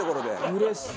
うれしい！